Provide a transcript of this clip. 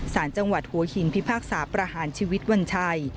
สารจังหวัดหัวหินพิพากษาประหารชีวิตวัญชัย